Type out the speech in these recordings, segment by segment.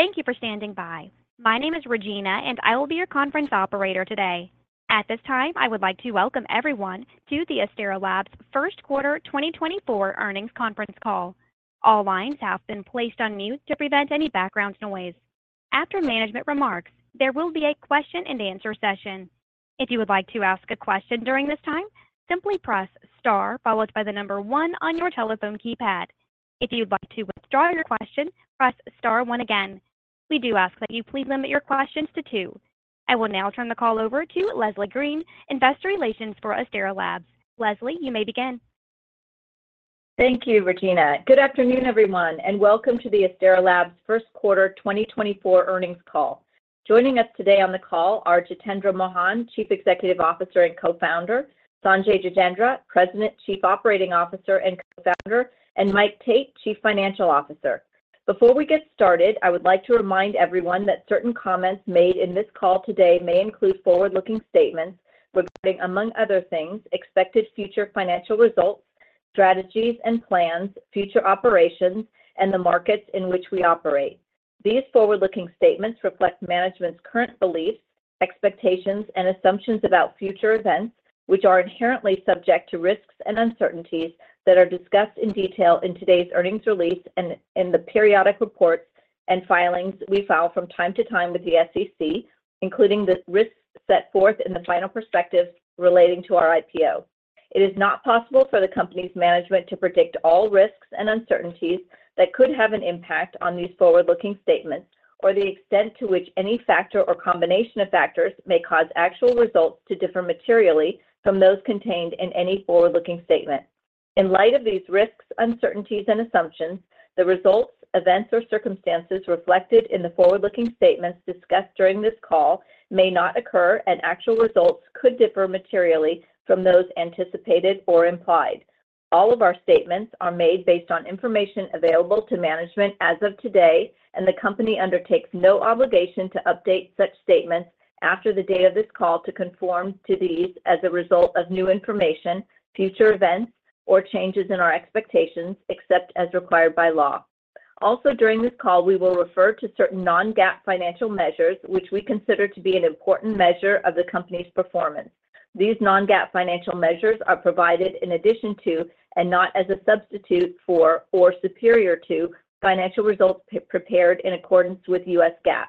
Thank you for standing by. My name is Regina, and I will be your conference operator today. At this time, I would like to welcome everyone to the Astera Labs First Quarter 2024 Earnings Conference Call. All lines have been placed on mute to prevent any background noise. After management remarks, there will be a question-and-answer session. If you would like to ask a question during this time, simply press star followed by the number one on your telephone keypad. If you would like to withdraw your question, press star one again. We do ask that you please limit your questions to two. I will now turn the call over to Leslie Green, Investor Relations for Astera Labs. Leslie, you may begin. Thank you, Regina. Good afternoon, everyone, and welcome to the Astera Labs First Quarter 2024 Earnings Call. Joining us today on the call are Jitendra Mohan, Chief Executive Officer and Co-founder, Sanjay Gajendra, President, Chief Operating Officer and Co-founder, and Mike Tate, Chief Financial Officer. Before we get started, I would like to remind everyone that certain comments made in this call today may include forward-looking statements regarding, among other things, expected future financial results, strategies and plans, future operations, and the markets in which we operate. These forward-looking statements reflect management's current beliefs, expectations, and assumptions about future events, which are inherently subject to risks and uncertainties that are discussed in detail in today's earnings release and in the periodic reports and filings we file from time to time with the SEC, including the risks set forth in the final prospectus relating to our IPO. It is not possible for the company's management to predict all risks and uncertainties that could have an impact on these forward-looking statements, or the extent to which any factor or combination of factors may cause actual results to differ materially from those contained in any forward-looking statement. In light of these risks, uncertainties, and assumptions, the results, events, or circumstances reflected in the forward-looking statements discussed during this call may not occur, and actual results could differ materially from those anticipated or implied. All of our statements are made based on information available to management as of today, and the company undertakes no obligation to update such statements after the date of this call to conform to these as a result of new information, future events, or changes in our expectations, except as required by law. Also, during this call, we will refer to certain non-GAAP financial measures, which we consider to be an important measure of the company's performance. These non-GAAP financial measures are provided in addition to and not as a substitute for or superior to financial results prepared in accordance with U.S. GAAP.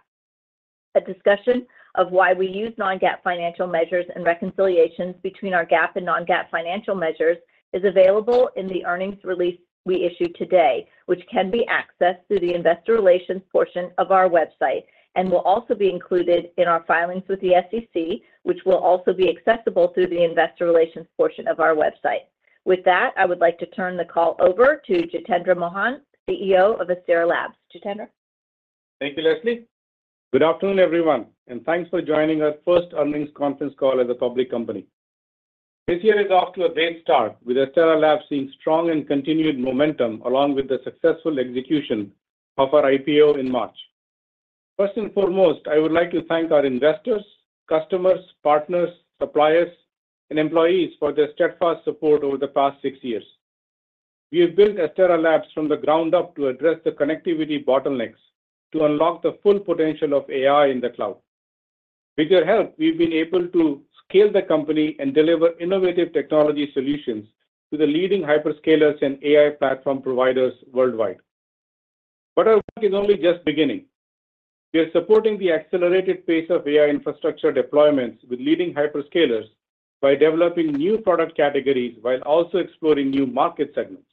A discussion of why we use non-GAAP financial measures and reconciliations between our GAAP and non-GAAP financial measures is available in the earnings release we issue today, which can be accessed through the Investor Relations portion of our website and will also be included in our filings with the SEC, which will also be accessible through the Investor Relations portion of our website. With that, I would like to turn the call over to Jitendra Mohan, CEO of Astera Labs. Jitendra? Thank you, Leslie. Good afternoon, everyone, and thanks for joining our first earnings conference call as a public company. This year is off to a great start, with Astera Labs seeing strong and continued momentum along with the successful execution of our IPO in March. First and foremost, I would like to thank our investors, customers, partners, suppliers, and employees for their steadfast support over the past six years. We have built Astera Labs from the ground up to address the connectivity bottlenecks, to unlock the full potential of AI in the cloud. With your help, we've been able to scale the company and deliver innovative technology solutions to the leading hyperscalers and AI platform providers worldwide. But our work is only just beginning. We are supporting the accelerated pace of AI infrastructure deployments with leading hyperscalers by developing new product categories while also exploring new market segments.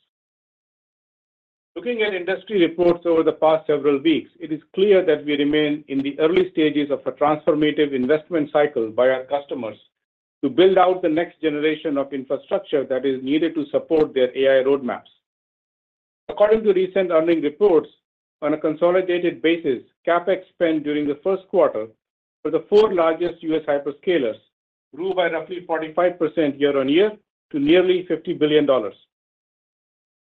Looking at industry reports over the past several weeks, it is clear that we remain in the early stages of a transformative investment cycle by our customers to build out the next generation of infrastructure that is needed to support their AI roadmaps. According to recent earnings reports, on a consolidated basis, CapEx spent during the first quarter for the four largest U.S. hyperscalers grew by roughly 45% year-over-year to nearly $50 billion.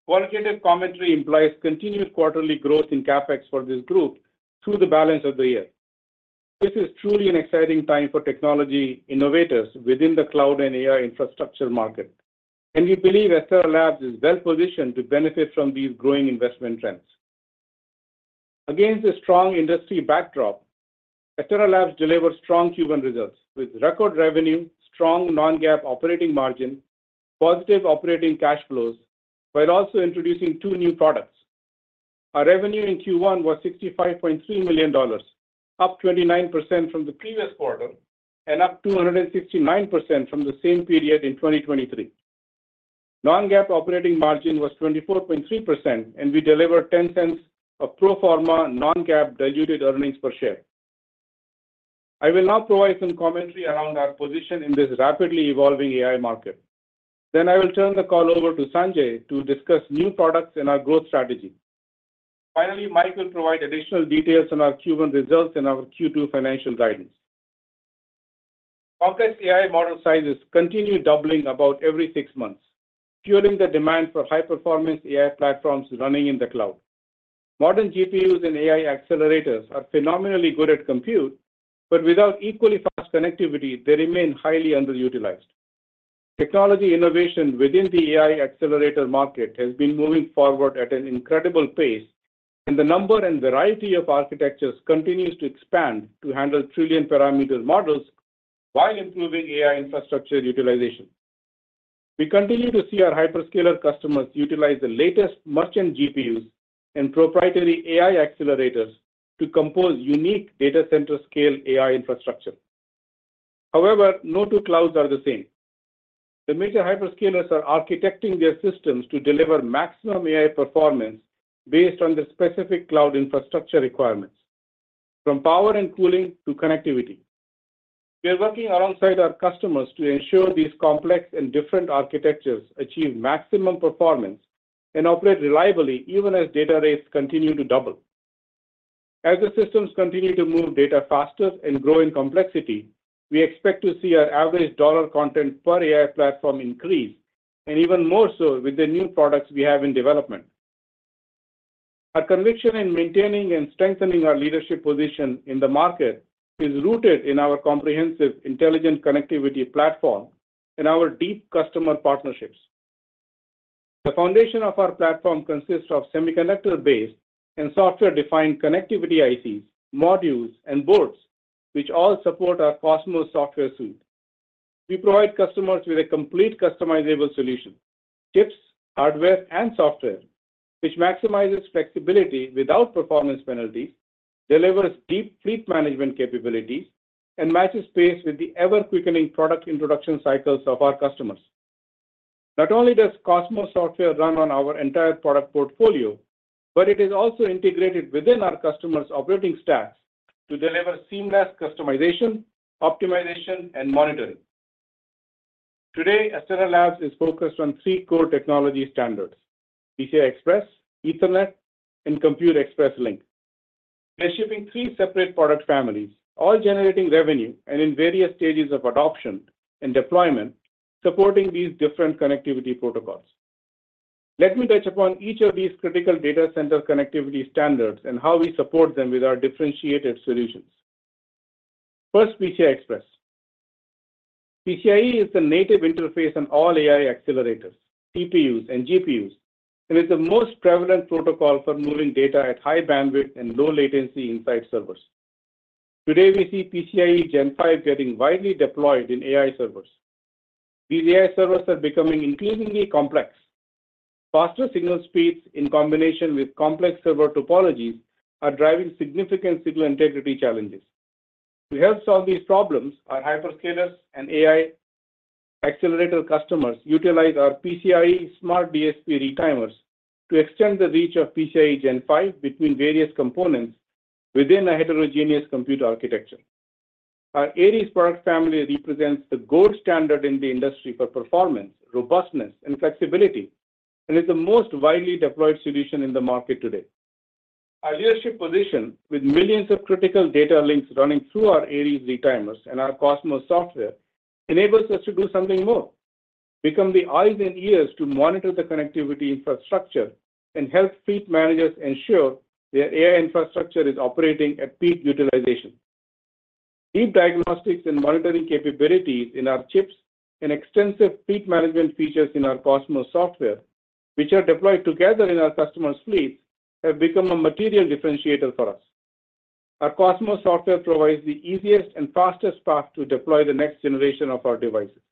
Qualitative commentary implies continued quarterly growth in CapEx for this group through the balance of the year. This is truly an exciting time for technology innovators within the cloud and AI infrastructure market, and we believe Astera Labs is well positioned to benefit from these growing investment trends. Against a strong industry backdrop, Astera Labs delivered strong Q1 results with record revenue, strong non-GAAP operating margin, positive operating cash flows, while also introducing two new products. Our revenue in Q1 was $65.3 million, up 29% from the previous quarter and up 269% from the same period in 2023. Non-GAAP operating margin was 24.3%, and we delivered $0.10 of pro forma non-GAAP diluted earnings per share. I will now provide some commentary around our position in this rapidly evolving AI market. I will turn the call over to Sanjay to discuss new products and our growth strategy. Finally, Mike will provide additional details on our Q1 results and our Q2 financial guidance. Complex AI model sizes continue doubling about every six months, fueling the demand for high-performance AI platforms running in the cloud. Modern GPUs and AI accelerators are phenomenally good at compute, but without equally fast connectivity, they remain highly underutilized. Technology innovation within the AI accelerator market has been moving forward at an incredible pace, and the number and variety of architectures continues to expand to handle trillion-parameter models while improving AI infrastructure utilization. We continue to see our hyperscaler customers utilize the latest merchant GPUs and proprietary AI accelerators to compose unique data center-scale AI infrastructure. However, no two clouds are the same. The major hyperscalers are architecting their systems to deliver maximum AI performance based on their specific cloud infrastructure requirements, from power and cooling to connectivity. We are working alongside our customers to ensure these complex and different architectures achieve maximum performance and operate reliably even as data rates continue to double. As the systems continue to move data faster and grow in complexity, we expect to see our average dollar content per AI platform increase, and even more so with the new products we have in development. Our conviction in maintaining and strengthening our leadership position in the market is rooted in our comprehensive intelligent connectivity platform and our deep customer partnerships. The foundation of our platform consists of semiconductor-based and software-defined connectivity ICs, modules, and boards, which all support our Cosmos software suite. We provide customers with a complete customizable solution: chips, hardware, and software, which maximizes flexibility without performance penalties, delivers deep fleet management capabilities, and matches pace with the ever-quickening product introduction cycles of our customers. Not only does Cosmos software run on our entire product portfolio, but it is also integrated within our customers' operating stacks to deliver seamless customization, optimization, and monitoring. Today, Astera Labs is focused on three core technology standards: PCI Express, Ethernet, and Compute Express Link. We are shipping three separate product families, all generating revenue and in various stages of adoption and deployment, supporting these different connectivity protocols. Let me touch upon each of these critical data center connectivity standards and how we support them with our differentiated solutions. First, PCI Express. PCIe is the native interface on all AI accelerators, TPUs, and GPUs, and is the most prevalent protocol for moving data at high bandwidth and low latency inside servers. Today, we see PCIe Gen5 getting widely deployed in AI servers. These AI servers are becoming increasingly complex. Faster signal speeds in combination with complex server topologies are driving significant signal integrity challenges. To help solve these problems, our hyperscalers and AI accelerator customers utilize our PCIe Smart DSP retimers to extend the reach of PCIe Gen5 between various components within a heterogeneous compute architecture. Our Aries product family represents the gold standard in the industry for performance, robustness, and flexibility, and is the most widely deployed solution in the market today. Our leadership position with millions of critical data links running through our Aries retimers and our Cosmos software enables us to do something more: become the eyes and ears to monitor the connectivity infrastructure and help fleet managers ensure their AI infrastructure is operating at peak utilization. Deep diagnostics and monitoring capabilities in our chips and extensive fleet management features in our Cosmos software, which are deployed together in our customers' fleets, have become a material differentiator for us. Our Cosmos software provides the easiest and fastest path to deploy the next generation of our devices.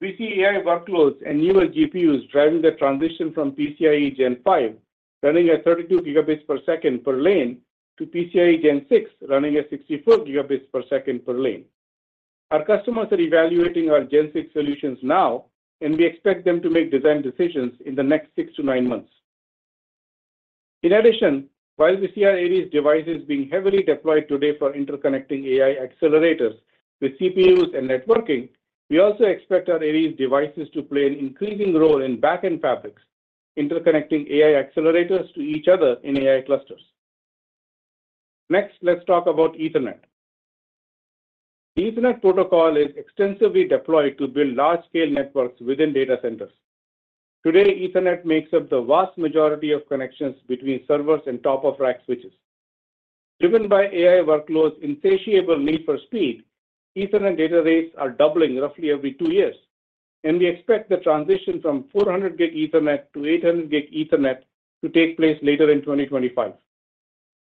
We see AI workloads and newer GPUs driving the transition from PCIe Gen5 running at 32 Gb per second per lane to PCIe Gen6 running at 64 Gb per second per lane. Our customers are evaluating our Gen6 solutions now, and we expect them to make design decisions in the next six to nine months. In addition, while we see our Aries devices being heavily deployed today for interconnecting AI accelerators with CPUs and networking, we also expect our Aries devices to play an increasing role in backend fabrics, interconnecting AI accelerators to each other in AI clusters. Next, let's talk about Ethernet. The Ethernet protocol is extensively deployed to build large-scale networks within data centers. Today, Ethernet makes up the vast majority of connections between servers and top-of-rack switches. Driven by AI workloads' insatiable need for speed, Ethernet data rates are doubling roughly every two years, and we expect the transition from 400 Gb Ethernet to 800 Gb Ethernet to take place later in 2025.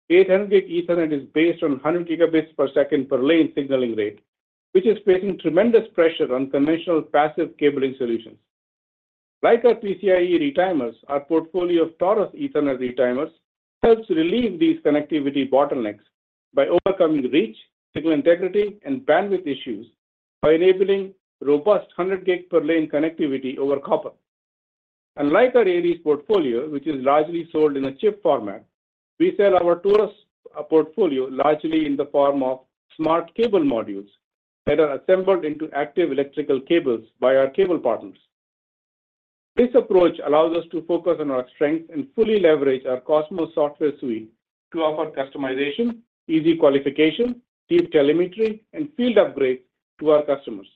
800 Gb Ethernet is based on 100 Gb per second per lane signaling rate, which is placing tremendous pressure on conventional passive cabling solutions. Like our PCIe retimers, our portfolio of Taurus Ethernet retimers helps relieve these connectivity bottlenecks by overcoming reach, signal integrity, and bandwidth issues by enabling robust 100 Gb per lane connectivity over copper. Unlike our Aries portfolio, which is largely sold in a chip format, we sell our Taurus portfolio largely in the form of smart cable modules that are assembled into active electrical cables by our cable partners. This approach allows us to focus on our strengths and fully leverage our Cosmos software suite to offer customization, easy qualification, deep telemetry, and field upgrades to our customers.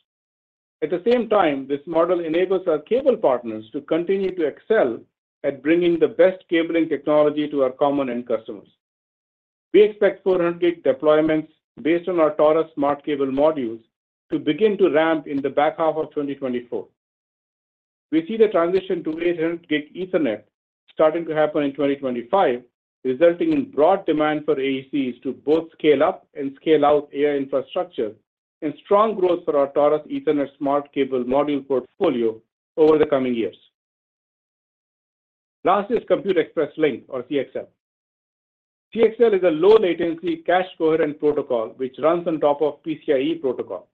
At the same time, this model enables our cable partners to continue to excel at bringing the best cabling technology to our common end customers. We expect 400 Gb deployments based on our Taurus smart cable modules to begin to ramp in the back half of 2024. We see the transition to 800 Gb Ethernet starting to happen in 2025, resulting in broad demand for AECs to both scale up and scale out AI infrastructure and strong growth for our Taurus Ethernet Smart Cable Module portfolio over the coming years. Last is Compute Express Link, or CXL. CXL is a low-latency cache coherent protocol which runs on top of PCIe protocol.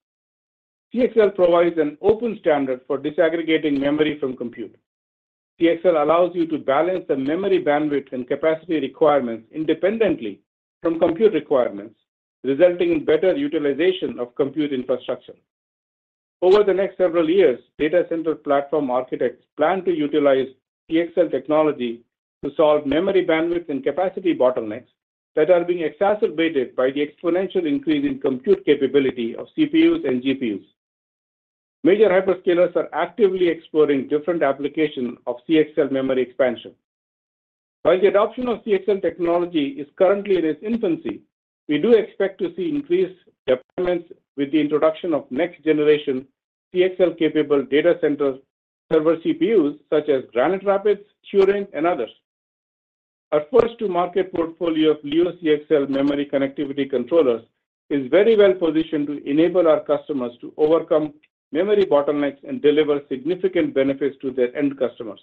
CXL provides an open standard for disaggregating memory from compute. CXL allows you to balance the memory bandwidth and capacity requirements independently from compute requirements, resulting in better utilization of compute infrastructure. Over the next several years, data center platform architects plan to utilize CXL technology to solve memory bandwidth and capacity bottlenecks that are being exacerbated by the exponential increase in compute capability of CPUs and GPUs. Major hyperscalers are actively exploring different applications of CXL memory expansion. While the adoption of CXL technology is currently in its infancy, we do expect to see increased deployments with the introduction of next-generation CXL-capable data center server CPUs such as Granite Rapids, Turin, and others. Our first-to-market portfolio of Leo CXL memory connectivity controllers is very well positioned to enable our customers to overcome memory bottlenecks and deliver significant benefits to their end customers.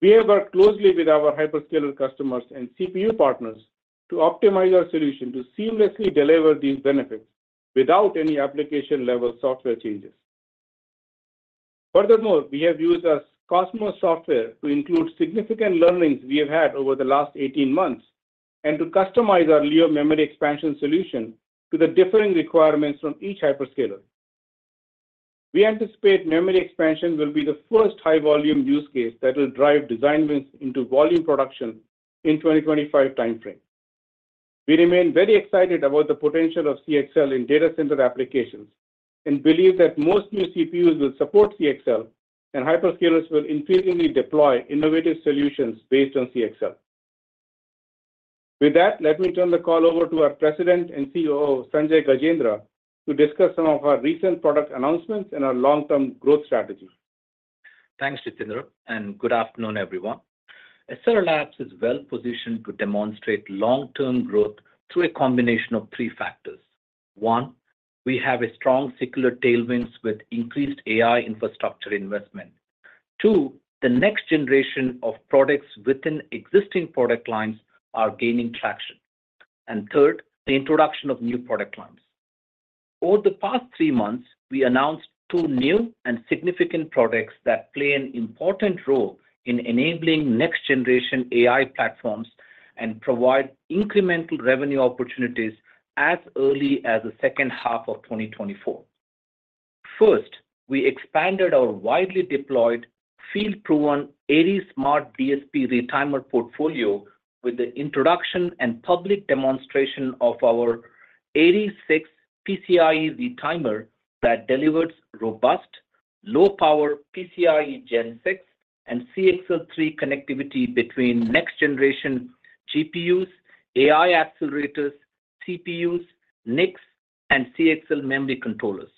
We have worked closely with our hyperscaler customers and CPU partners to optimize our solution to seamlessly deliver these benefits without any application-level software changes. Furthermore, we have used our Cosmos software to include significant learnings we have had over the last 18 months and to customize our Leo memory expansion solution to the differing requirements from each hyperscaler. We anticipate memory expansion will be the first high-volume use case that will drive design wins into volume production in the 2025 timeframe. We remain very excited about the potential of CXL in data center applications and believe that most new CPUs will support CXL, and hyperscalers will increasingly deploy innovative solutions based on CXL. With that, let me turn the call over to our President and COO, Sanjay Gajendra, to discuss some of our recent product announcements and our long-term growth strategy. Thanks, Jitendra, and good afternoon, everyone. Astera Labs is well positioned to demonstrate long-term growth through a combination of three factors. One, we have strong secular tailwinds with increased AI infrastructure investment. Two, the next generation of products within existing product lines are gaining traction. And third, the introduction of new product lines. Over the past three months, we announced two new and significant products that play an important role in enabling next-generation AI platforms and provide incremental revenue opportunities as early as the second half of 2024. First, we expanded our widely deployed, field-proven Aries Smart DSP retimer portfolio with the introduction and public demonstration of our Aries 6 PCIe retimer that delivers robust, low-power PCIe Gen6 and CXL 3 connectivity between next-generation GPUs, AI accelerators, CPUs, NICs, and CXL memory controllers.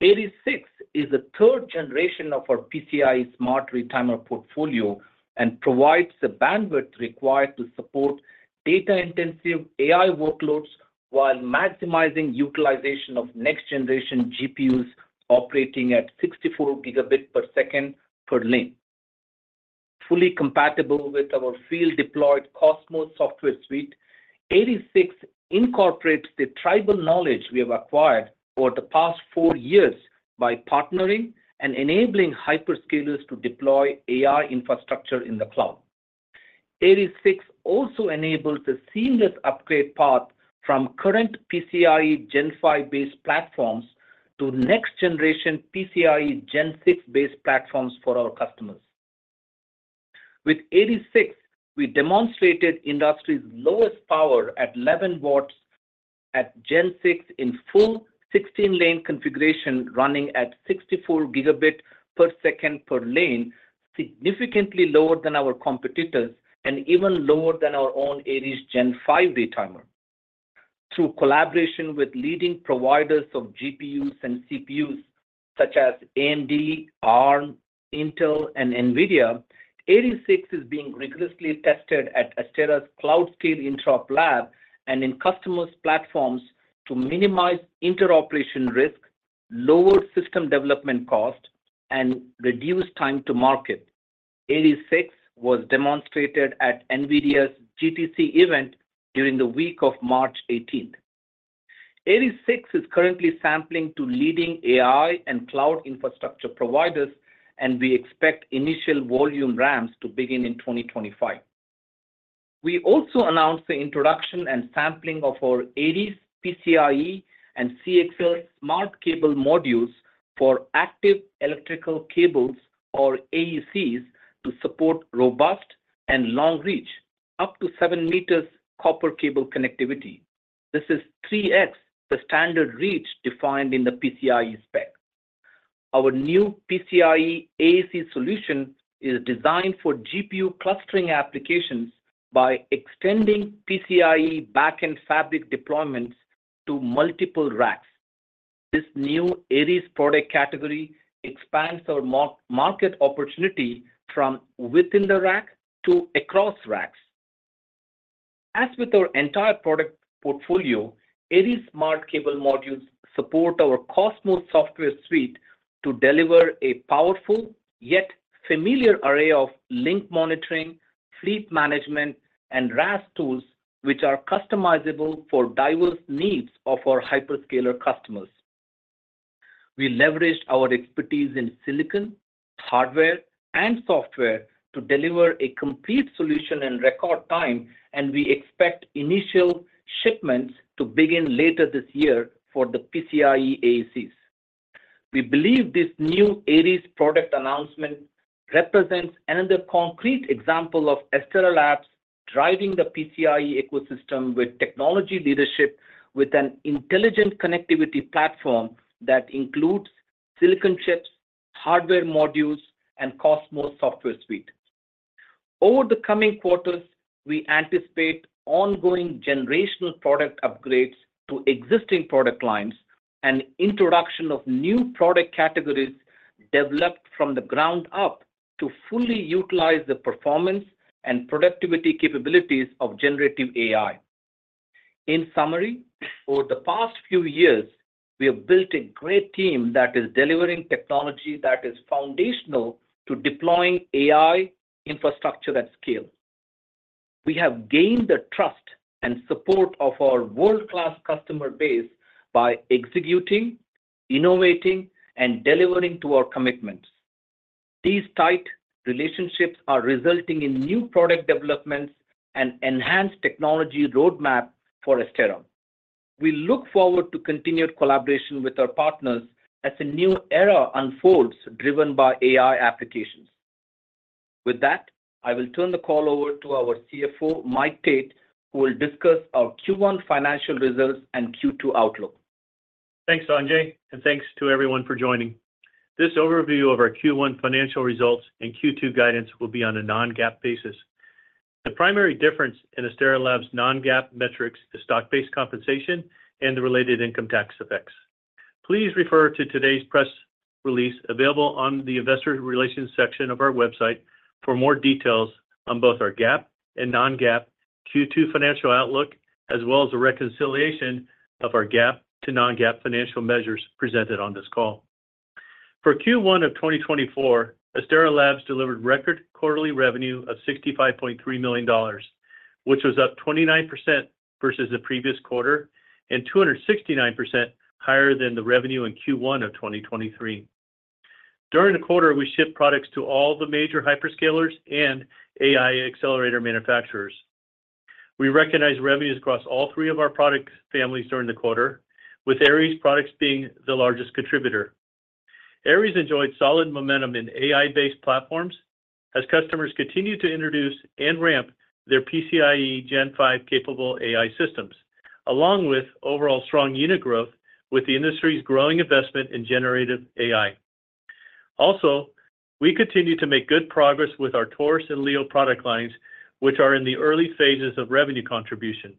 Aries 6 is the third generation of our PCIe smart retimer portfolio and provides the bandwidth required to support data-intensive AI workloads while maximizing utilization of next-generation GPUs operating at 64 Gb per second per lane. Fully compatible with our field-deployed Cosmos software suite, Aries 6 incorporates the tribal knowledge we have acquired over the past four years by partnering and enabling hyperscalers to deploy AI infrastructure in the cloud. Aries 6 also enables the seamless upgrade path from current PCIe Gen5-based platforms to next-generation PCIe Gen6-based platforms for our customers. With Aries 6, we demonstrated industry's lowest power at 11 watts at Gen6 in full 16-lane configuration running at 64 Gb per second per lane, significantly lower than our competitors and even lower than our own Aries Gen5 retimer. Through collaboration with leading providers of GPUs and CPUs such as AMD, Arm, Intel, and NVIDIA, Aries 6 is being rigorously tested at Astera's Cloud-Scale Interop Lab and in customers' platforms to minimize interoperation risk, lower system development cost, and reduce time to market. Aries 6 was demonstrated at NVIDIA's GTC event during the week of March 18th. Aries 6 is currently sampling to leading AI and cloud infrastructure providers, and we expect initial volume ramps to begin in 2025. We also announced the introduction and sampling of our Aries PCIe and CXL Smart Cable Modules for active electrical cables, or AECs, to support robust and long-reach, up to seven meters copper cable connectivity. This is 3x the standard reach defined in the PCIe spec. Our new PCIe AEC solution is designed for GPU clustering applications by extending PCIe backend fabric deployments to multiple racks. This new Aries product category expands our market opportunity from within the rack to across racks. As with our entire product portfolio, Aries Smart Cable Modules support our Cosmos software suite to deliver a powerful yet familiar array of link monitoring, fleet management, and RAS tools which are customizable for diverse needs of our hyperscaler customers. We leveraged our expertise in silicon, hardware, and software to deliver a complete solution in record time, and we expect initial shipments to begin later this year for the PCIe AECs. We believe this new Aries product announcement represents another concrete example of Astera Labs driving the PCIe ecosystem with technology leadership with an intelligent connectivity platform that includes silicon chips, hardware modules, and Cosmos software suite. Over the coming quarters, we anticipate ongoing generational product upgrades to existing product lines and introduction of new product categories developed from the ground up to fully utilize the performance and productivity capabilities of generative AI. In summary, over the past few years, we have built a great team that is delivering technology that is foundational to deploying AI infrastructure at scale. We have gained the trust and support of our world-class customer base by executing, innovating, and delivering to our commitments. These tight relationships are resulting in new product developments and enhanced technology roadmap for Astera. We look forward to continued collaboration with our partners as a new era unfolds driven by AI applications. With that, I will turn the call over to our CFO, Mike Tate, who will discuss our Q1 financial results and Q2 outlook. Thanks, Sanjay, and thanks to everyone for joining. This overview of our Q1 financial results and Q2 guidance will be on a non-GAAP basis. The primary difference in Astera Labs' non-GAAP metrics is stock-based compensation and the related income tax effects. Please refer to today's press release available on the investor relations section of our website for more details on both our GAAP and non-GAAP Q2 financial outlook, as well as the reconciliation of our GAAP to non-GAAP financial measures presented on this call. For Q1 of 2024, Astera Labs delivered record quarterly revenue of $65.3 million, which was up 29% versus the previous quarter and 269% higher than the revenue in Q1 of 2023. During the quarter, we shipped products to all the major hyperscalers and AI accelerator manufacturers. We recognize revenues across all three of our product families during the quarter, with Aries products being the largest contributor. Aries enjoyed solid momentum in AI-based platforms as customers continue to introduce and ramp their PCIe Gen5 capable AI systems, along with overall strong unit growth with the industry's growing investment in generative AI. Also, we continue to make good progress with our Taurus and Leo product lines, which are in the early phases of revenue contribution.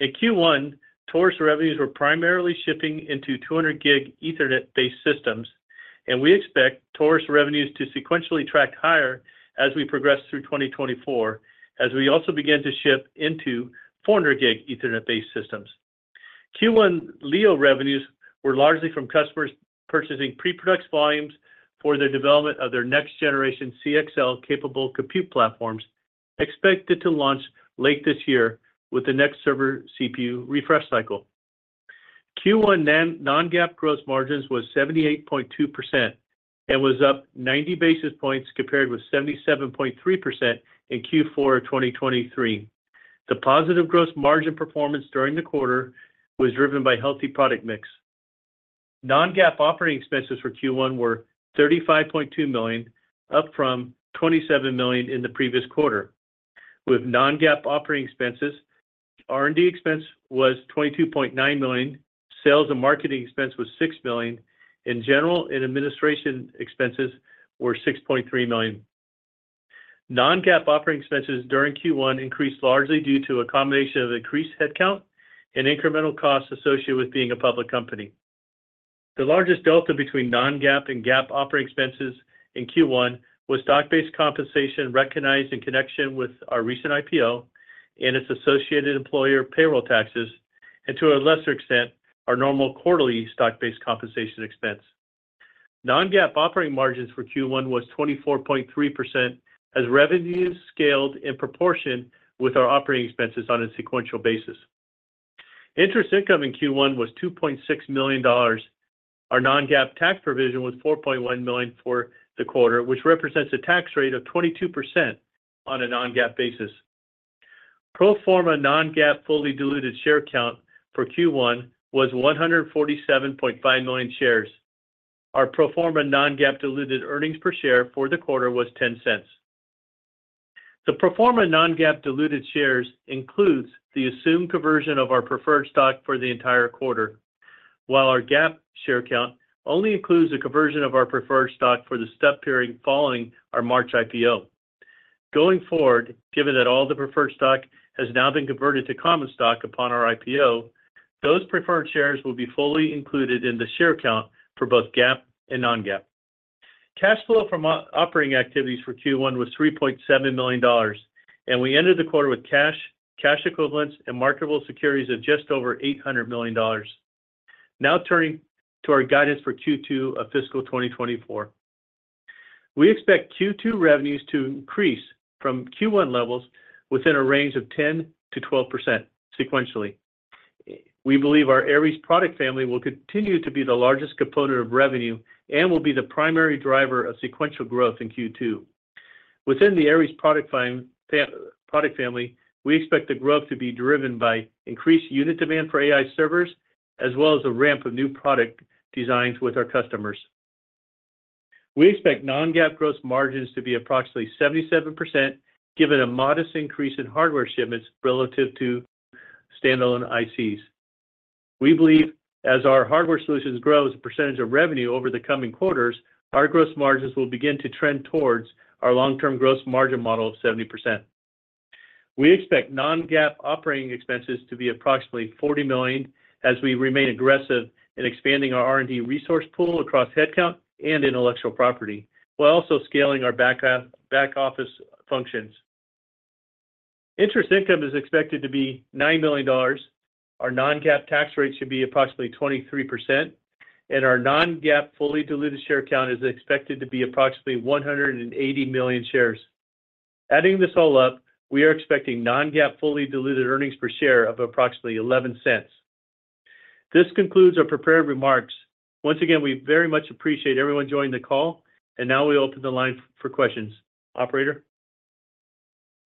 In Q1, Taurus revenues were primarily shipping into 200 Gb Ethernet-based systems, and we expect Taurus revenues to sequentially track higher as we progress through 2024, as we also begin to ship into 400 Gb Ethernet-based systems. Q1 Leo revenues were largely from customers purchasing pre-production volumes for the development of their next-generation CXL-capable compute platforms, expected to launch late this year with the next server CPU refresh cycle. Q1 non-GAAP gross margins were 78.2% and were up 90 basis points compared with 77.3% in Q4 of 2023. The positive gross margin performance during the quarter was driven by healthy product mix. Non-GAAP operating expenses for Q1 were $35.2 million, up from $27 million in the previous quarter. With non-GAAP operating expenses, R&D expense was $22.9 million, sales and marketing expense was $6 million, and general and administration expenses were $6.3 million. Non-GAAP operating expenses during Q1 increased largely due to a combination of increased headcount and incremental costs associated with being a public company. The largest delta between non-GAAP and GAAP operating expenses in Q1 was stock-based compensation recognized in connection with our recent IPO and its associated employer payroll taxes, and to a lesser extent, our normal quarterly stock-based compensation expense. Non-GAAP operating margins for Q1 were 24.3% as revenues scaled in proportion with our operating expenses on a sequential basis. Interest income in Q1 was $2.6 million. Our non-GAAP tax provision was $4.1 million for the quarter, which represents a tax rate of 22% on a non-GAAP basis. Pro forma non-GAAP fully diluted share count for Q1 was 147.5 million shares. Our pro forma non-GAAP diluted earnings per share for the quarter was $0.10. The pro forma non-GAAP diluted shares includes the assumed conversion of our preferred stock for the entire quarter, while our GAAP share count only includes the conversion of our preferred stock for the step period following our March IPO. Going forward, given that all the preferred stock has now been converted to common stock upon our IPO, those preferred shares will be fully included in the share count for both GAAP and non-GAAP. Cash flow from operating activities for Q1 was $3.7 million, and we ended the quarter with cash, cash equivalents, and marketable securities of just over $800 million. Now turning to our guidance for Q2 of fiscal 2024. We expect Q2 revenues to increase from Q1 levels within a range of 10%-12% sequentially. We believe our Aries product family will continue to be the largest component of revenue and will be the primary driver of sequential growth in Q2. Within the Aries product family, we expect the growth to be driven by increased unit demand for AI servers as well as a ramp of new product designs with our customers. We expect non-GAAP gross margins to be approximately 77% given a modest increase in hardware shipments relative to standalone ICs. We believe as our hardware solutions grow as a percentage of revenue over the coming quarters, our gross margins will begin to trend towards our long-term gross margin model of 70%. We expect non-GAAP operating expenses to be approximately $40 million as we remain aggressive in expanding our R&D resource pool across headcount and intellectual property while also scaling our back office functions. Interest income is expected to be $9 million. Our non-GAAP tax rate should be approximately 23%, and our non-GAAP fully diluted share count is expected to be approximately 180 million shares. Adding this all up, we are expecting non-GAAP fully diluted earnings per share of approximately $0.11. This concludes our prepared remarks. Once again, we very much appreciate everyone joining the call, and now we open the line for questions. Operator?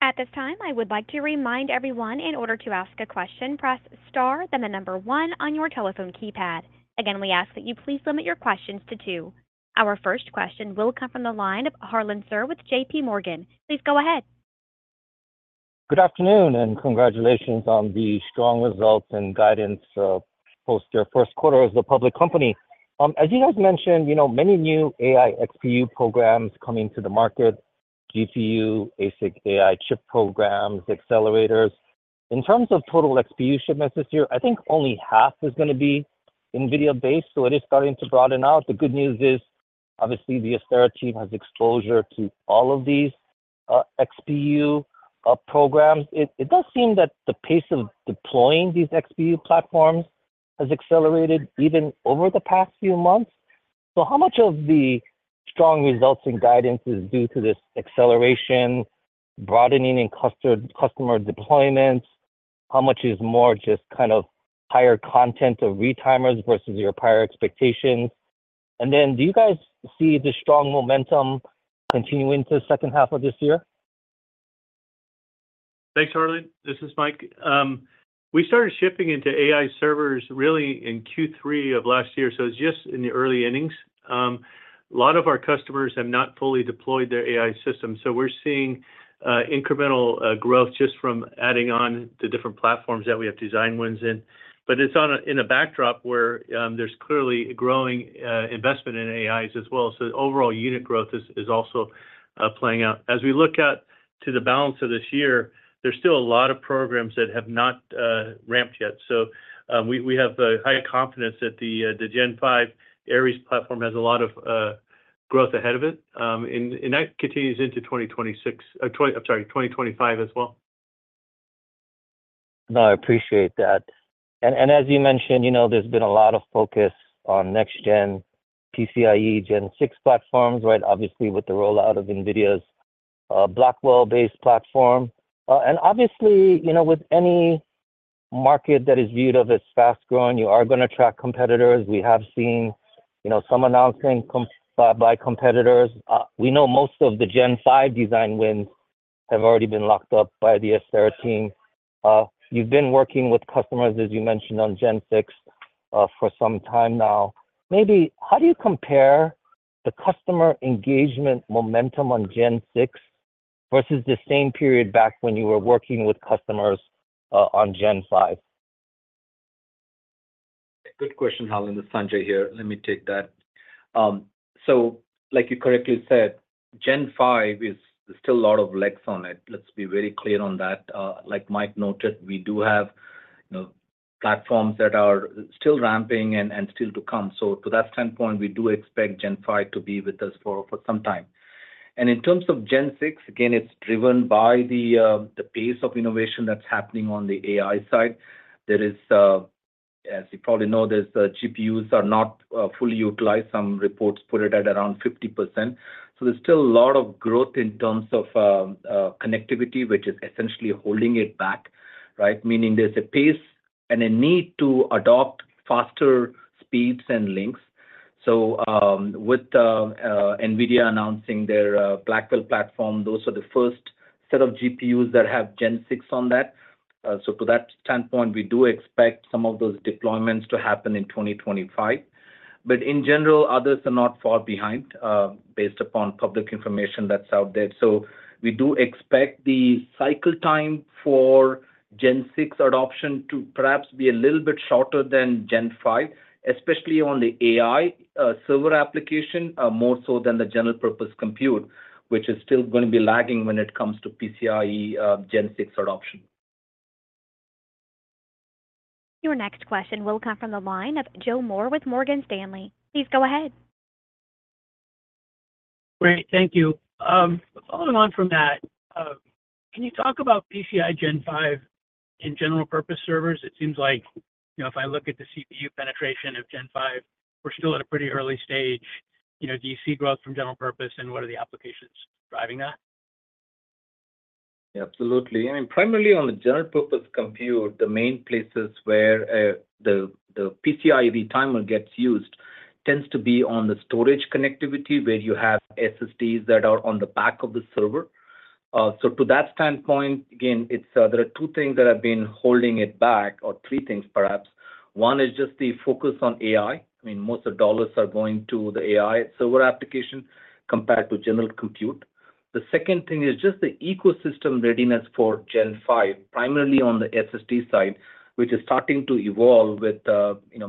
At this time, I would like to remind everyone, in order to ask a question, press star, then the number one on your telephone keypad. Again, we ask that you please limit your questions to two. Our first question will come from the line of Harlan Sur with JPMorgan. Please go ahead. Good afternoon and congratulations on the strong results and guidance post your first quarter as a public company. As you guys mentioned, many new AI XPU programs coming to the market, GPU, ASIC AI chip programs, accelerators. In terms of total XPU shipments this year, I think only half is going to be NVIDIA-based, so it is starting to broaden out. The good news is, obviously, the Astera team has exposure to all of these XPU programs. It does seem that the pace of deploying these XPU platforms has accelerated even over the past few months. So how much of the strong results and guidance is due to this acceleration, broadening in customer deployments? How much is more just kind of higher content of retimers versus your prior expectations? And then do you guys see the strong momentum continuing into the second half of this year? Thanks, Harlan. This is Mike. We started shipping into AI servers really in Q3 of last year, so it's just in the early innings. A lot of our customers have not fully deployed their AI systems, so we're seeing incremental growth just from adding on the different platforms that we have design wins in. But it's in a backdrop where there's clearly growing investment in AIs as well, so overall unit growth is also playing out. As we look at the balance of this year, there's still a lot of programs that have not ramped yet. So we have high confidence that the Gen5 Aries platform has a lot of growth ahead of it, and that continues into 2026. I'm sorry, 2025 as well. No, I appreciate that. And as you mentioned, there's been a lot of focus on next-gen PCIe Gen6 platforms, right? Obviously, with the rollout of NVIDIA's Blackwell-based platform. And obviously, with any market that is viewed as fast-growing, you are going to track competitors. We have seen some announcement by competitors. We know most of the Gen5 design wins have already been locked up by the Astera team. You've been working with customers, as you mentioned, on Gen6 for some time now. How do you compare the customer engagement momentum on Gen6 versus the same period back when you were working with customers on Gen5? Good question, Harlan. This is Sanjay here. Let me take that. So like you correctly said, Gen5 is still a lot of legs on it. Let's be very clear on that. Like Mike noted, we do have platforms that are still ramping and still to come. So to that standpoint, we do expect Gen5 to be with us for some time. And in terms of Gen6, again, it's driven by the pace of innovation that's happening on the AI side. As you probably know, GPUs are not fully utilized. Some reports put it at around 50%. So there's still a lot of growth in terms of connectivity, which is essentially holding it back, right? Meaning there's a pace and a need to adopt faster speeds and links. So with NVIDIA announcing their Blackwell platform, those are the first set of GPUs that have Gen6 on that. So to that standpoint, we do expect some of those deployments to happen in 2025. But in general, others are not far behind based upon public information that's out there. So we do expect the cycle time for Gen6 adoption to perhaps be a little bit shorter than Gen5, especially on the AI server application, more so than the general-purpose compute, which is still going to be lagging when it comes to PCIe Gen6 adoption. Your next question will come from the line of Joe Moore with Morgan Stanley. Please go ahead. Great. Thank you. Following on from that, can you talk about PCI Gen5 and general-purpose servers? It seems like if I look at the CPU penetration of Gen5, we're still at a pretty early stage. Do you see growth from general purpose, and what are the applications driving that? Absolutely. I mean, primarily on the general-purpose compute, the main places where the PCIe retimer gets used tends to be on the storage connectivity where you have SSDs that are on the back of the server. So to that standpoint, again, there are two things that have been holding it back, or three things perhaps. One is just the focus on AI. I mean, most of the dollars are going to the AI server application compared to general compute. The second thing is just the ecosystem readiness for Gen5, primarily on the SSD side, which is starting to evolve with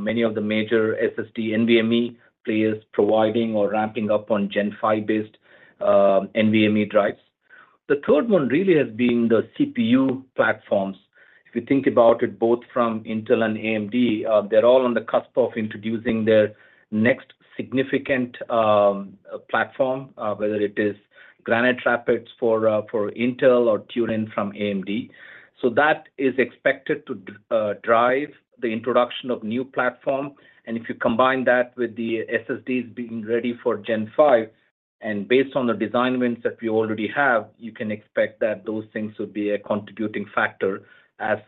many of the major SSD NVMe players providing or ramping up on Gen5-based NVMe drives. The third one really has been the CPU platforms. If you think about it, both from Intel and AMD, they're all on the cusp of introducing their next significant platform, whether it is Granite Rapids for Intel or Turin from AMD. So that is expected to drive the introduction of new platform. And if you combine that with the SSDs being ready for Gen5, and based on the design wins that we already have, you can expect that those things would be a contributing factor as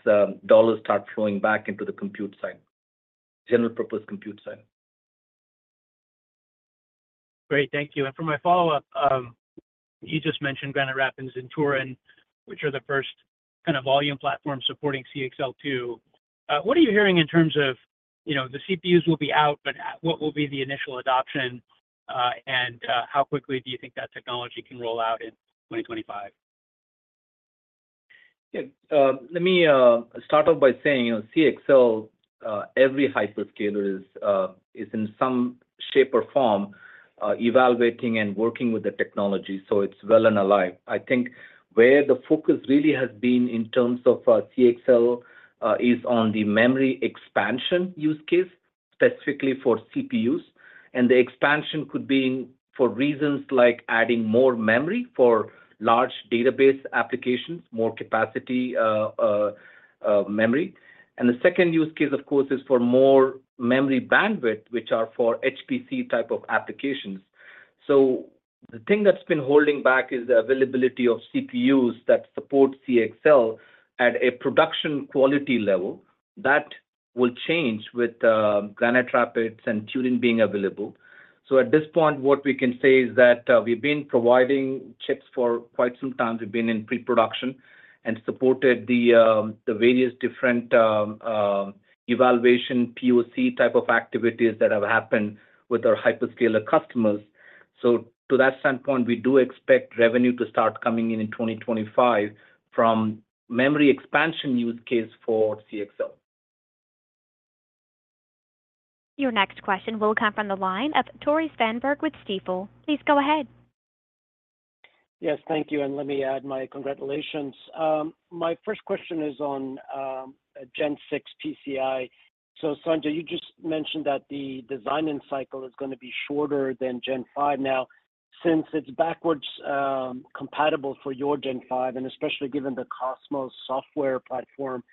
dollars start flowing back into the compute side, general-purpose compute side. Great. Thank you. And for my follow-up, you just mentioned Granite Rapids and Turin, which are the first kind of volume platforms supporting CXL2. What are you hearing in terms of the CPUs will be out, but what will be the initial adoption, and how quickly do you think that technology can roll out in 2025? Yeah. Let me start off by saying CXL, every hyperscaler is in some shape or form evaluating and working with the technology, so it's well and alive. I think where the focus really has been in terms of CXL is on the memory expansion use case, specifically for CPUs. The expansion could be for reasons like adding more memory for large database applications, more capacity memory. The second use case, of course, is for more memory bandwidth, which are for HPC type of applications. So the thing that's been holding back is the availability of CPUs that support CXL at a production quality level. That will change with Granite Rapids and Turin being available. So at this point, what we can say is that we've been providing chips for quite some time. We've been in pre-production and supported the various different evaluation POC type of activities that have happened with our hyperscaler customers. So to that standpoint, we do expect revenue to start coming in in 2025 from memory expansion use case for CXL. Your next question will come from the line of Tore Svanberg with Stifel. Please go ahead. Yes, thank you. And let me add my congratulations. My first question is on Gen6 PCIe. So Sanjay, you just mentioned that the design-in cycle is going to be shorter than Gen5. Now, since it's backwards compatible for your Gen5, and especially given the Cosmos software platform,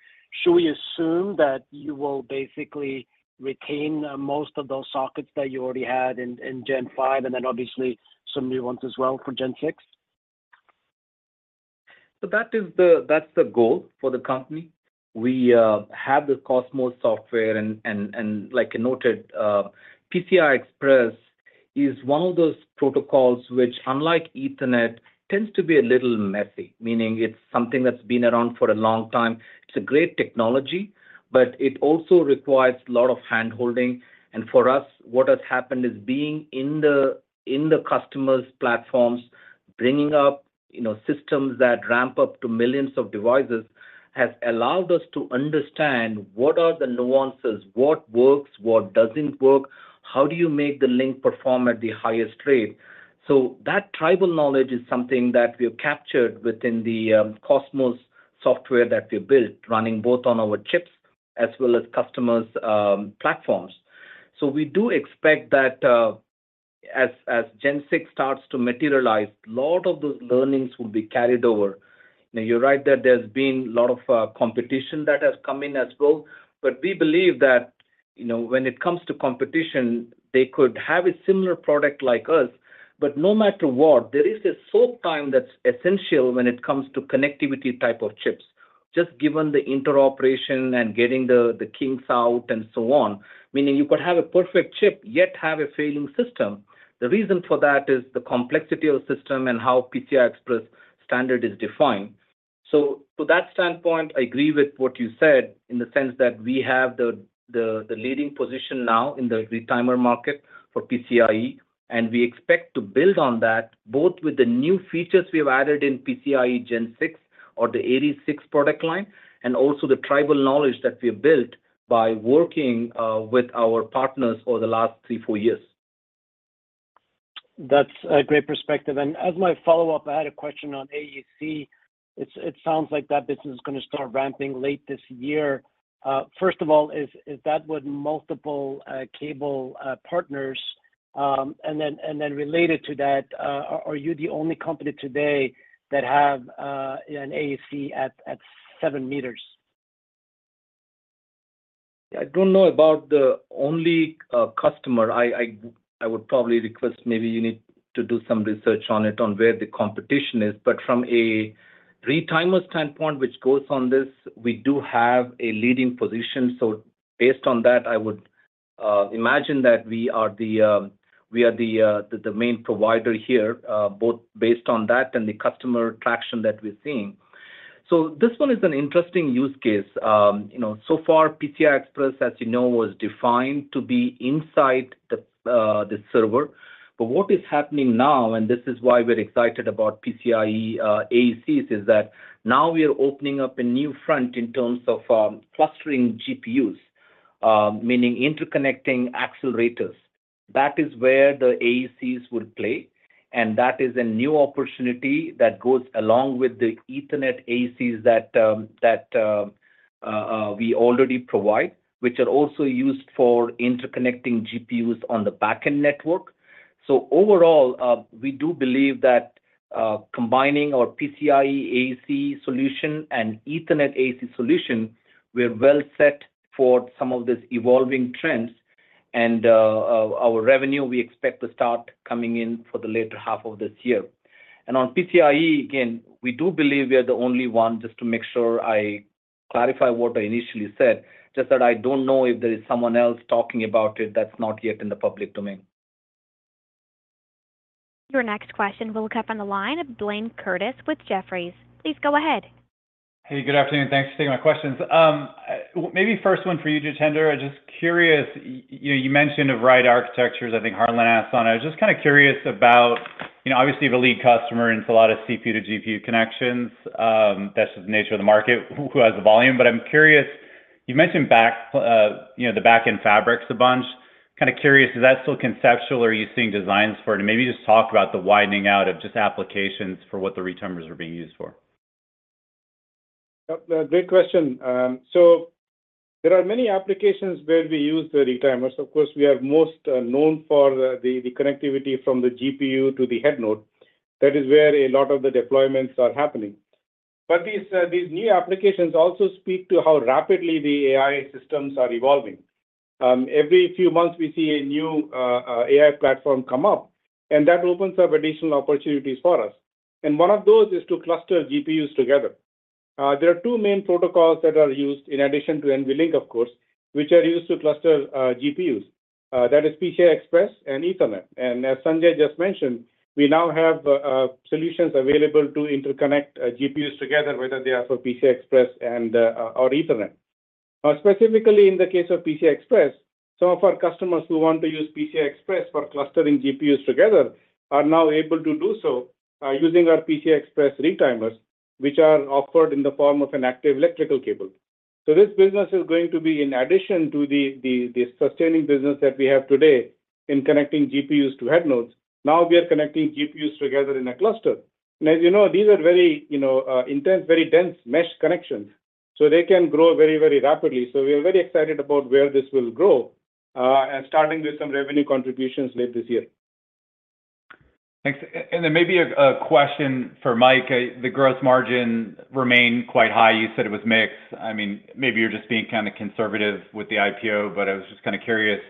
should we assume that you will basically retain most of those sockets that you already had in Gen5 and then obviously some new ones as well for Gen6? So that's the goal for the company. We have the Cosmos software. And like I noted, PCI Express is one of those protocols which, unlike Ethernet, tends to be a little messy, meaning it's something that's been around for a long time. It's a great technology, but it also requires a lot of handholding. And for us, what has happened is being in the customer's platforms, bringing up systems that ramp up to millions of devices has allowed us to understand what are the nuances, what works, what doesn't work, how do you make the link perform at the highest rate. So that tribal knowledge is something that we have captured within the Cosmos software that we've built, running both on our chips as well as customer's platforms. So we do expect that as Gen6 starts to materialize, a lot of those learnings will be carried over. You're right that there's been a lot of competition that has come in as well. But we believe that when it comes to competition, they could have a similar product like us. But no matter what, there is a soak time that's essential when it comes to connectivity type of chips, just given the interoperability and getting the kinks out and so on, meaning you could have a perfect chip yet have a failing system. The reason for that is the complexity of the system and how PCI Express standard is defined. To that standpoint, I agree with what you said in the sense that we have the leading position now in the retimer market for PCIe, and we expect to build on that both with the new features we have added in PCIe Gen6 or the Aries 6 product line and also the tribal knowledge that we have built by working with our partners over the last three, four years. That's a great perspective. As my follow-up, I had a question on AEC. It sounds like that business is going to start ramping late this year. First of all, is that with multiple cable partners, and then related to that, are you the only company today that have an AEC at 7 meters? I don't know about the only customer. I would probably request, maybe, you need to do some research on it, on where the competition is. But from a retimer standpoint, which goes on this, we do have a leading position. So based on that, I would imagine that we are the main provider here, both based on that and the customer traction that we're seeing. So this one is an interesting use case. So far, PCI Express, as you know, was defined to be inside the server. But what is happening now, and this is why we're excited about PCIe AECs, is that now we are opening up a new front in terms of clustering GPUs, meaning interconnecting accelerators. That is where the AECs would play. That is a new opportunity that goes along with the Ethernet AECs that we already provide, which are also used for interconnecting GPUs on the backend network. So overall, we do believe that combining our PCIe AEC solution and Ethernet AEC solution, we're well set for some of these evolving trends. And our revenue, we expect to start coming in for the later half of this year. And on PCIe, again, we do believe we are the only one. Just to make sure I clarify what I initially said, just that I don't know if there is someone else talking about it that's not yet in the public domain. Your next question will come from the line of Blayne Curtis with Jefferies. Please go ahead. Hey, good afternoon. Thanks for taking my questions. Maybe first one for you, Jitendra. I'm just curious. You mentioned Aries architectures. I think Harlan asked on it. I was just kind of curious about obviously, you have a lead customer and it's a lot of CPU to GPU connections. That's just the nature of the market, who has the volume. But I'm curious, you mentioned the backend fabrics a bunch. Kind of curious, is that still conceptual, or are you seeing designs for it? And maybe just talk about the widening out of just applications for what the retimers are being used for. Yep, great question. So there are many applications where we use the retimers. Of course, we are most known for the connectivity from the GPU to the head node. That is where a lot of the deployments are happening. But these new applications also speak to how rapidly the AI systems are evolving. Every few months, we see a new AI platform come up, and that opens up additional opportunities for us. And one of those is to cluster GPUs together. There are two main protocols that are used in addition to NVLink, of course, which are used to cluster GPUs. That is PCI Express and Ethernet. And as Sanjay just mentioned, we now have solutions available to interconnect GPUs together, whether they are for PCI Express or Ethernet. Now, specifically in the case of PCI Express, some of our customers who want to use PCI Express for clustering GPUs together are now able to do so using our PCI Express retimers, which are offered in the form of an active electrical cable. So this business is going to be in addition to the sustaining business that we have today in connecting GPUs to head nodes. Now, we are connecting GPUs together in a cluster. And as you know, these are very intense, very dense mesh connections. So they can grow very, very rapidly. So we are very excited about where this will grow, starting with some revenue contributions late this year. Thanks. And then maybe a question for Mike. The gross margin remained quite high. You said it was mixed. I mean, maybe you're just being kind of conservative with the IPO, but I was just kind of curious,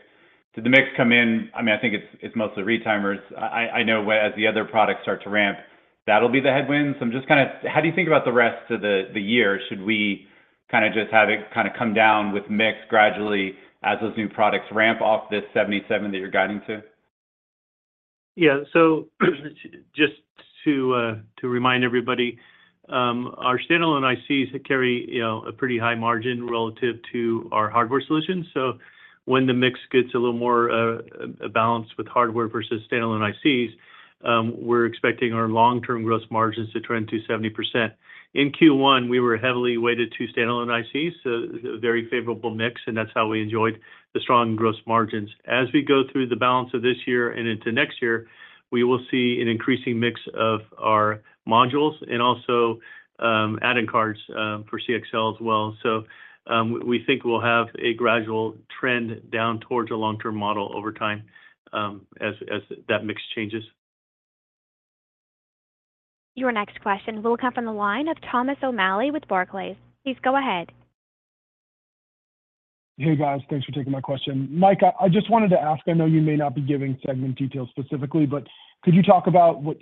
did the mix come in? I mean, I think it's mostly retimers. I know as the other products start to ramp, that'll be the headwinds. I'm just kind of how do you think about the rest of the year? Should we kind of just have it kind of come down with mix gradually as those new products ramp off this 77% that you're guiding to? Yeah. So just to remind everybody, our standalone ICs carry a pretty high margin relative to our hardware solutions. So when the mix gets a little more balanced with hardware versus standalone ICs, we're expecting our long-term gross margins to trend to 70%. In Q1, we were heavily weighted to standalone ICs, so a very favorable mix. And that's how we enjoyed the strong gross margins. As we go through the balance of this year and into next year, we will see an increasing mix of our modules and also add-in cards for CXL as well. So we think we'll have a gradual trend down towards a long-term model over time as that mix changes. Your next question will come from the line of Thomas O'Malley with Barclays. Please go ahead. Hey, guys. Thanks for taking my question. Mike, I just wanted to ask, I know you may not be giving segment details specifically, but could you talk about what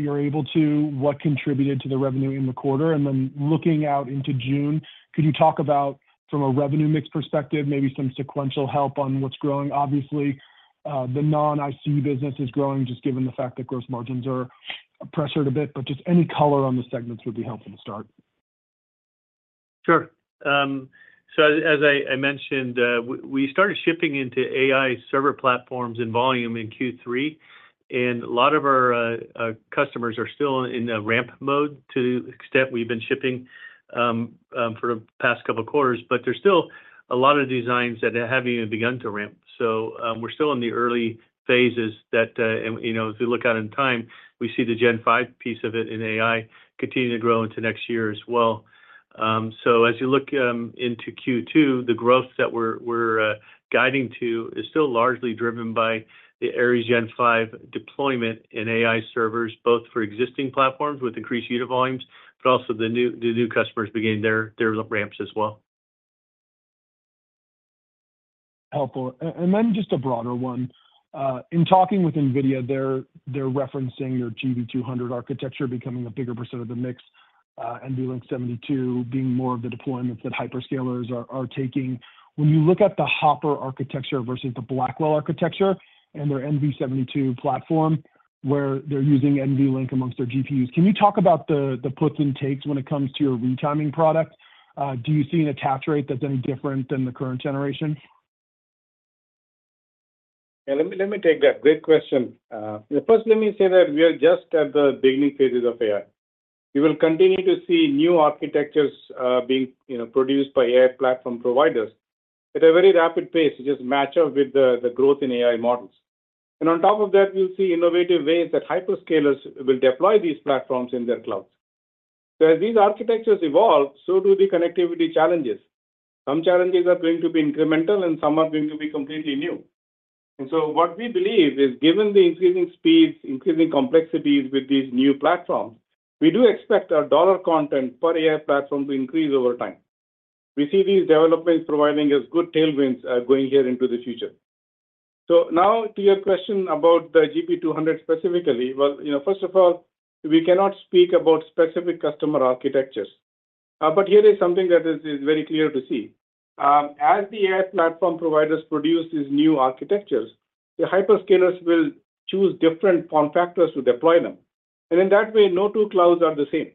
you're able to, what contributed to the revenue in the quarter? And then looking out into June, could you talk about, from a revenue mix perspective, maybe some sequential help on what's growing? Obviously, the non-IC business is growing just given the fact that gross margins are pressured a bit, but just any color on the segments would be helpful to start. Sure. So as I mentioned, we started shipping into AI server platforms in volume in Q3. And a lot of our customers are still in ramp mode to the extent we've been shipping for the past couple of quarters. But there's still a lot of designs that haven't even begun to ramp. So we're still in the early phases that if you look out in time, we see the Gen5 piece of it in AI continue to grow into next year as well. So as you look into Q2, the growth that we're guiding to is still largely driven by the Aries Gen5 deployment in AI servers, both for existing platforms with increased unit volumes, but also the new customers beginning their ramps as well. Helpful. Then just a broader one. In talking with NVIDIA, they're referencing their GB200 architecture becoming a bigger percent of the mix, NVL72 being more of the deployments that hyperscalers are taking. When you look at the Hopper architecture versus the Blackwell architecture and their NVL72 platform where they're using NVLink amongst their GPUs, can you talk about the puts and takes when it comes to your retimer product? Do you see an attach rate that's any different than the current generation? Yeah, let me take that. Great question. First, let me say that we are just at the beginning phases of AI. We will continue to see new architectures being produced by AI platform providers at a very rapid pace to just match up with the growth in AI models. And on top of that, we'll see innovative ways that hyperscalers will deploy these platforms in their clouds. So as these architectures evolve, so do the connectivity challenges. Some challenges are going to be incremental, and some are going to be completely new. And so what we believe is, given the increasing speeds, increasing complexities with these new platforms, we do expect our dollar content per AI platform to increase over time. We see these developments providing us good tailwinds going here into the future. So now to your question about the GB200 specifically, well, first of all, we cannot speak about specific customer architectures. But here is something that is very clear to see. As the AI platform providers produce these new architectures, the hyperscalers will choose different form factors to deploy them. And in that way, no two clouds are the same.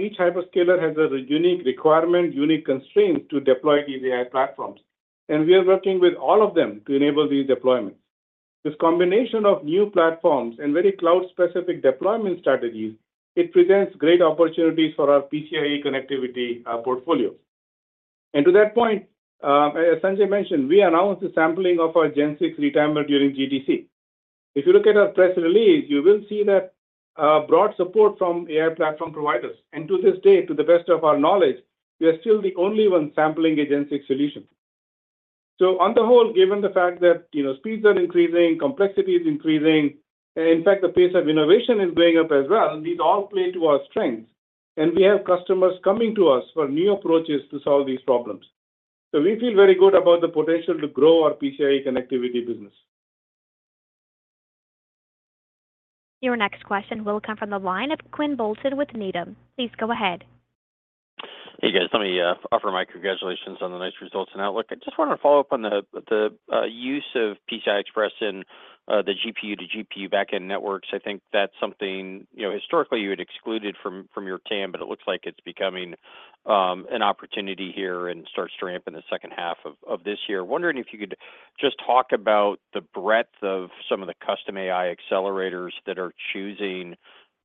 Each hyperscaler has a unique requirement, unique constraints to deploy these AI platforms. And we are working with all of them to enable these deployments. This combination of new platforms and very cloud-specific deployment strategies, it presents great opportunities for our PCIe connectivity portfolio. And to that point, as Sanjay mentioned, we announced the sampling of our Gen6 retimer during GTC. If you look at our press release, you will see that broad support from AI platform providers. To this day, to the best of our knowledge, we are still the only ones sampling a Gen6 solution. On the whole, given the fact that speeds are increasing, complexity is increasing, and in fact, the pace of innovation is going up as well, these all play to our strengths. We have customers coming to us for new approaches to solve these problems. We feel very good about the potential to grow our PCIe connectivity business. Your next question will come from the line of Quinn Bolton with Needham. Please go ahead. Hey, guys. Let me offer my congratulations on the nice results and outlook. I just wanted to follow up on the use of PCI Express in the GPU to GPU backend networks. I think that's something historically you had excluded from your TAM, but it looks like it's becoming an opportunity here and starts to ramp in the second half of this year. Wondering if you could just talk about the breadth of some of the custom AI accelerators that are choosing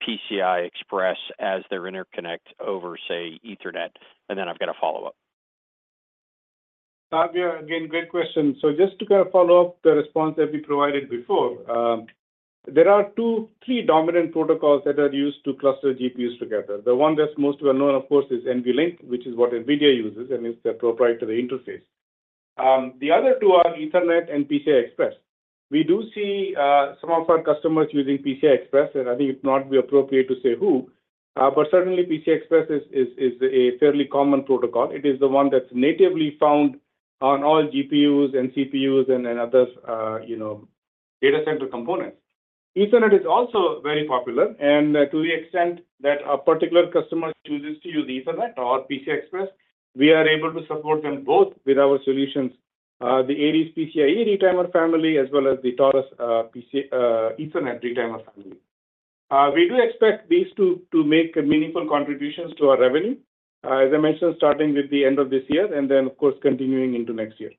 PCI Express as their interconnect over, say, Ethernet? And then I've got a follow-up. Yeah, again, great question. So just to kind of follow up the response that we provided before, there are three dominant protocols that are used to cluster GPUs together. The one that's most well known, of course, is NVLink, which is what NVIDIA uses, and it's their proprietary interface. The other two are Ethernet and PCI Express. We do see some of our customers using PCI Express, and I think it might not be appropriate to say who, but certainly, PCI Express is a fairly common protocol. It is the one that's natively found on all GPUs and CPUs and other data center components. Ethernet is also very popular. And to the extent that a particular customer chooses to use Ethernet or PCI Express, we are able to support them both with our solutions, the Aries PCIe retimer family as well as the Taurus Ethernet retimer family. We do expect these two to make meaningful contributions to our revenue, as I mentioned, starting with the end of this year and then, of course, continuing into next year.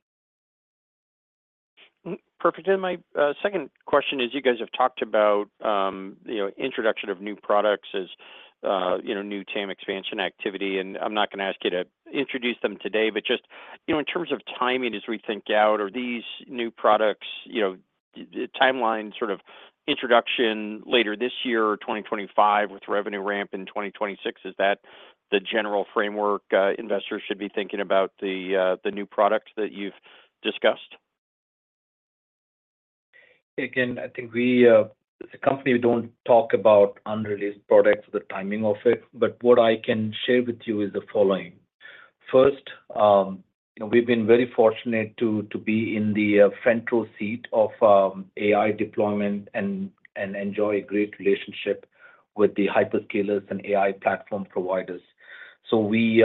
Perfect. My second question is, you guys have talked about the introduction of new products as new TAM expansion activity. I'm not going to ask you to introduce them today. But just in terms of timing, as we think out, are these new products timeline sort of introduction later this year, 2025, with revenue ramp in 2026? Is that the general framework investors should be thinking about the new products that you've discussed? Again, I think as a company, we don't talk about unreleased products or the timing of it. But what I can share with you is the following. First, we've been very fortunate to be in the front row seat of AI deployment and enjoy a great relationship with the hyperscalers and AI platform providers. So we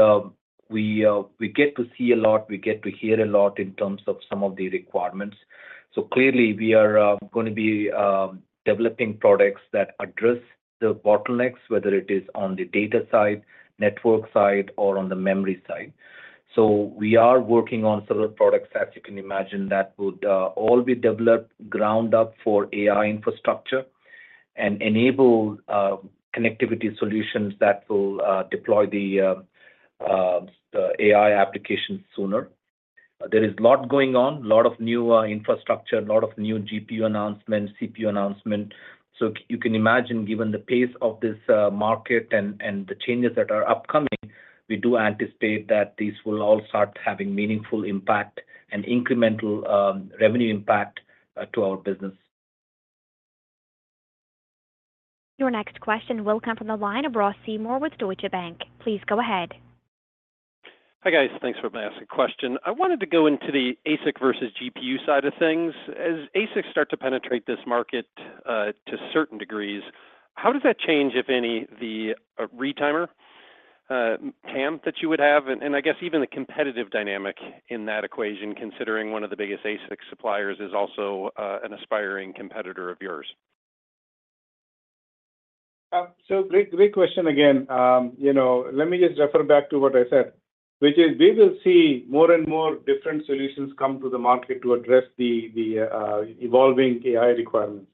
get to see a lot. We get to hear a lot in terms of some of the requirements. So clearly, we are going to be developing products that address the bottlenecks, whether it is on the data side, network side, or on the memory side. So we are working on several products, as you can imagine, that would all be developed ground up for AI infrastructure, and enable connectivity solutions that will deploy the AI applications sooner. There is a lot going on, a lot of new infrastructure, a lot of new GPU announcements, CPU announcements. So you can imagine, given the pace of this market and the changes that are upcoming, we do anticipate that these will all start having meaningful impact and incremental revenue impact to our business. Your next question will come from the line of Ross Seymore with Deutsche Bank. Please go ahead. Hi, guys. Thanks for asking the question. I wanted to go into the ASIC versus GPU side of things. As ASICs start to penetrate this market to certain degrees, how does that change, if any, the retimer TAM that you would have? And I guess even the competitive dynamic in that equation, considering one of the biggest ASIC suppliers is also an aspiring competitor of yours. So great question again. Let me just refer back to what I said, which is we will see more and more different solutions come to the market to address the evolving AI requirements.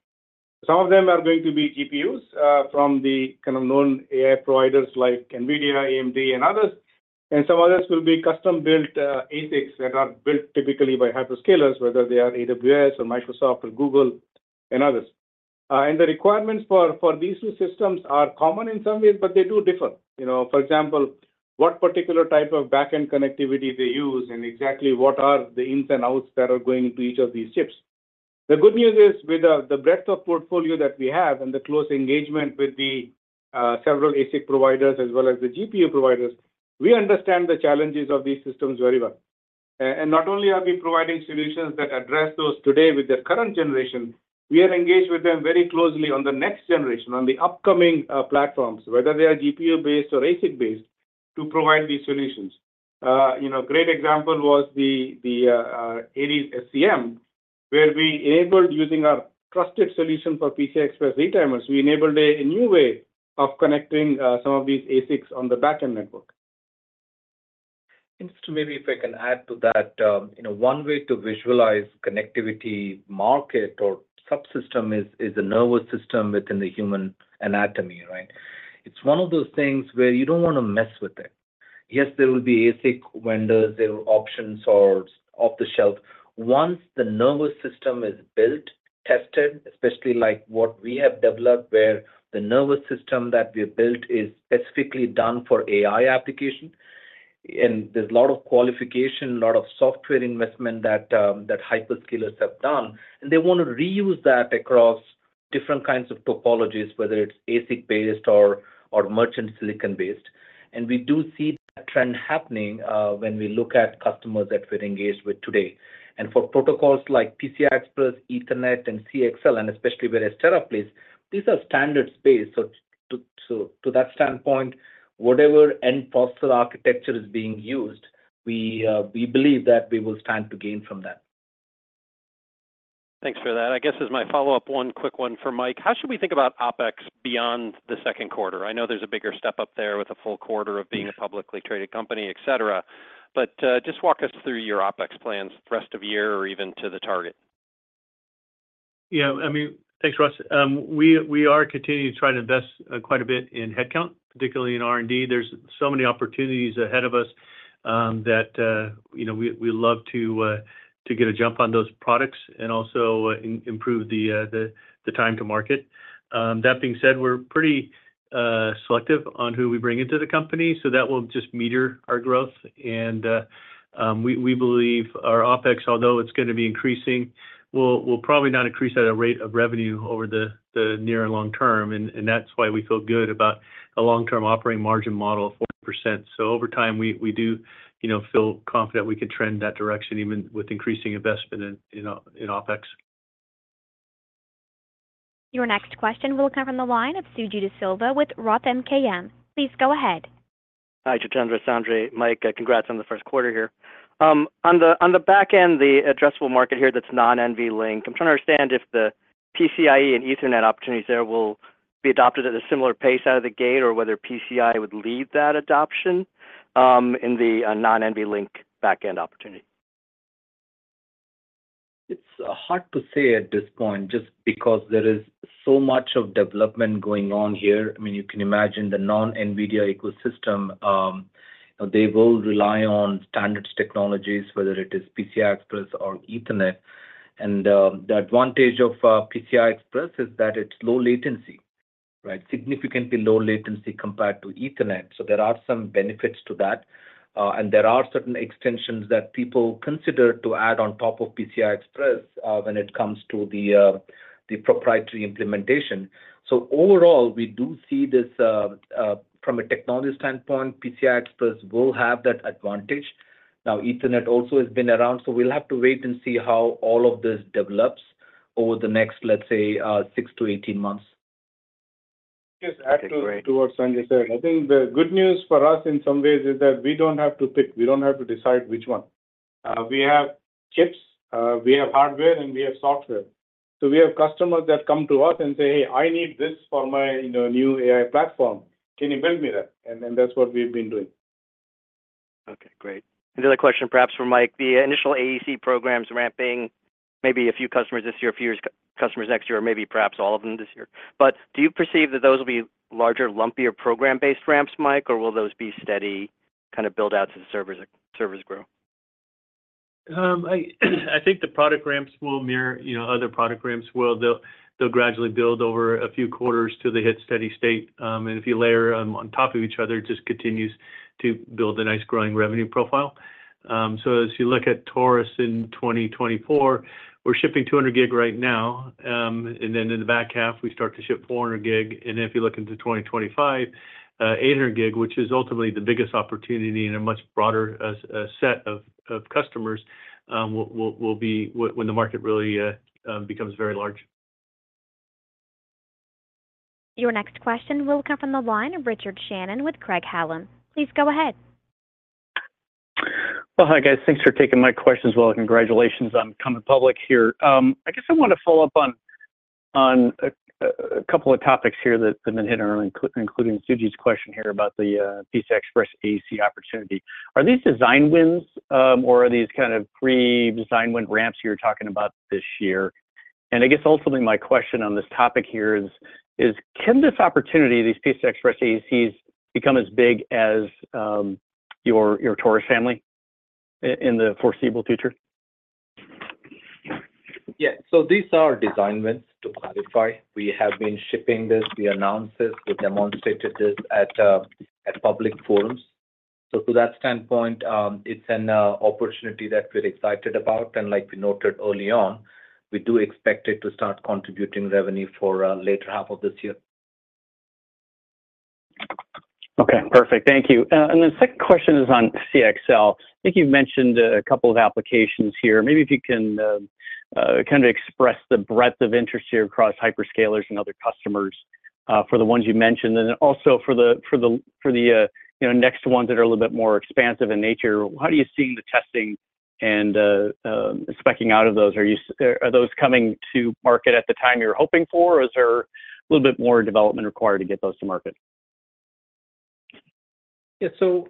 Some of them are going to be GPUs from the kind of known AI providers like NVIDIA, AMD, and others. And some others will be custom-built ASICs that are built typically by hyperscalers, whether they are AWS or Microsoft or Google and others. And the requirements for these two systems are common in some ways, but they do differ. For example, what particular type of backend connectivity they use and exactly what are the ins and outs that are going into each of these chips. The good news is, with the breadth of portfolio that we have and the close engagement with the several ASIC providers as well as the GPU providers, we understand the challenges of these systems very well. And not only are we providing solutions that address those today with their current generation, we are engaged with them very closely on the next generation, on the upcoming platforms, whether they are GPU-based or ASIC-based, to provide these solutions. Great example was the Aries SCM, where we enabled, using our trusted solution for PCI Express retimers, we enabled a new way of connecting some of these ASICs on the backend network. And just maybe if I can add to that, one way to visualize connectivity market or subsystem is a nervous system within the human anatomy, right? It's one of those things where you don't want to mess with it. Yes, there will be ASIC vendors. There are options or off-the-shelf. Once the nervous system is built, tested, especially like what we have developed where the nervous system that we have built is specifically done for AI application. And there's a lot of qualification, a lot of software investment that hyperscalers have done. And they want to reuse that across different kinds of topologies, whether it's ASIC-based or merchant silicon-based. And we do see that trend happening when we look at customers that we're engaged with today. And for protocols like PCI Express, Ethernet, and CXL, and especially with Astera PCIe, these are standards-based. To that standpoint, whatever end-user architecture is being used, we believe that we will stand to gain from that. Thanks for that. I guess as my follow-up, one quick one for Mike. How should we think about OpEx beyond the second quarter? I know there's a bigger step up there with a full quarter of being a publicly traded company, etc. But just walk us through your OpEx plans the rest of the year or even to the target. Yeah. I mean, thanks, Ross. We are continuing to try to invest quite a bit in headcount, particularly in R&D. There's so many opportunities ahead of us that we love to get a jump on those products and also improve the time to market. That being said, we're pretty selective on who we bring into the company. So that will just meter our growth. And we believe our OpEx, although it's going to be increasing, will probably not increase at a rate of revenue over the near and long term. And that's why we feel good about a long-term operating margin model of 40%. So over time, we do feel confident we can trend that direction even with increasing investment in OpEx. Your next question will come from the line of Suji Desilva with Roth MKM. Please go ahead. Hi, Jitendra, Sanjay. Mike, congrats on the first quarter here. On the backend, the addressable market here that's non-NVLink, I'm trying to understand if the PCIe and Ethernet opportunities there will be adopted at a similar pace out of the gate or whether PCI would lead that adoption in the non-NVLink backend opportunity. It's hard to say at this point just because there is so much of development going on here. I mean, you can imagine the non-NVIDIA ecosystem, they will rely on standards technologies, whether it is PCI Express or Ethernet. The advantage of PCI Express is that it's low latency, right? Significantly low latency compared to Ethernet. There are some benefits to that. There are certain extensions that people consider to add on top of PCI Express when it comes to the proprietary implementation. Overall, we do see this from a technology standpoint, PCI Express will have that advantage. Now, Ethernet also has been around. We'll have to wait and see how all of this develops over the next, let's say, six to 18 months. Just add to what Sanjay said. I think the good news for us in some ways is that we don't have to pick. We don't have to decide which one. We have chips. We have hardware, and we have software. So we have customers that come to us and say, "Hey, I need this for my new AI platform. Can you build me that?" And that's what we've been doing. Okay. Great. Another question, perhaps for Mike. The initial AEC programs ramping, maybe a few customers this year, a few customers next year, or maybe perhaps all of them this year. But do you perceive that those will be larger, lumpier program-based ramps, Mike, or will those be steady kind of build-outs as servers grow? I think the product ramps will mirror other product ramps. They'll gradually build over a few quarters till they hit steady state. And if you layer on top of each other, it just continues to build a nice growing revenue profile. So as you look at Taurus in 2024, we're shipping 200 Gb right now. And then in the back half, we start to ship 400 Gb. And then if you look into 2025, 800 Gb, which is ultimately the biggest opportunity and a much broader set of customers, will be when the market really becomes very large. Your next question will come from the line of Richard Shannon with Craig-Hallum. Please go ahead. Well, hi, guys. Thanks for taking my questions well. Congratulations on coming public here. I guess I want to follow up on a couple of topics here that have been hit, including Suji's question here about the PCI Express AEC opportunity. Are these design wins, or are these kind of pre-design win ramps you're talking about this year? And I guess ultimately, my question on this topic here is, can this opportunity, these PCI Express AECs, become as big as your Taurus family in the foreseeable future? Yeah. So these are design wins, to clarify. We have been shipping this. We announced this. We demonstrated this at public forums. So to that standpoint, it's an opportunity that we're excited about. And like we noted early on, we do expect it to start contributing revenue for later half of this year. Okay. Perfect. Thank you. And the second question is on CXL. I think you've mentioned a couple of applications here. Maybe if you can kind of express the breadth of interest here across hyperscalers and other customers for the ones you mentioned. And then also for the next ones that are a little bit more expansive in nature, how do you see the testing and speccing out of those? Are those coming to market at the time you were hoping for, or is there a little bit more development required to get those to market? Yeah. So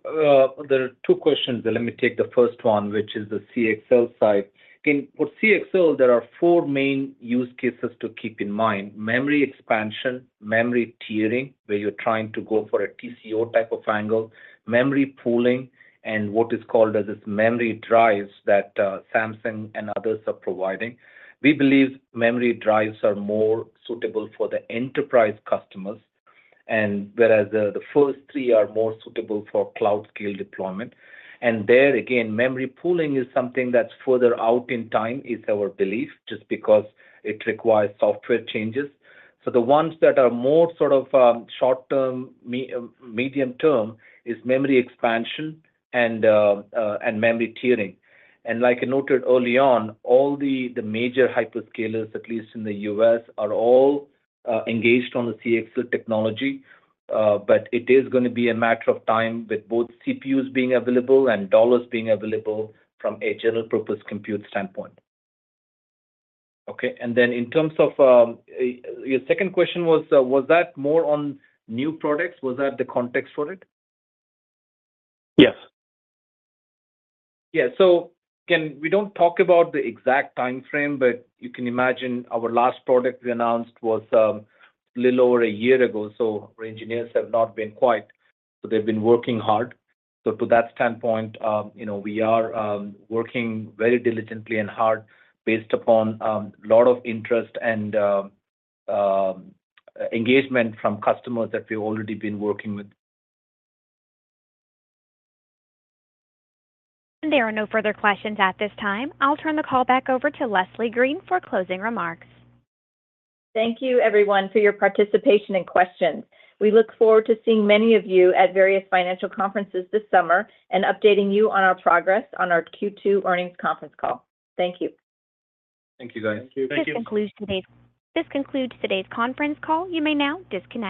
there are two questions. Let me take the first one, which is the CXL side. Again, for CXL, there are four main use cases to keep in mind: memory expansion, memory tiering, where you're trying to go for a TCO type of angle, memory pooling, and what is called as memory drives that Samsung and others are providing. We believe memory drives are more suitable for the enterprise customers, whereas the first three are more suitable for cloud-scale deployment. And there, again, memory pooling is something that's further out in time, is our belief, just because it requires software changes. So the ones that are more sort of short-term, medium-term is memory expansion and memory tiering. And like I noted early on, all the major hyperscalers, at least in the U.S., are all engaged on the CXL technology. It is going to be a matter of time with both CPUs being available and dollars being available from a general-purpose compute standpoint. Okay. Then in terms of your second question, was that more on new products? Was that the context for it? Yes. Yeah. So again, we don't talk about the exact timeframe, but you can imagine our last product we announced was a little over a year ago. So our engineers have not been quiet. So they've been working hard. So to that standpoint, we are working very diligently and hard based upon a lot of interest and engagement from customers that we've already been working with. There are no further questions at this time. I'll turn the call back over to Leslie Green for closing remarks. Thank you, everyone, for your participation and questions. We look forward to seeing many of you at various financial conferences this summer and updating you on our progress on our Q2 earnings conference call. Thank you. Thank you, guys. Thank you. This concludes today's conference call. You may now disconnect.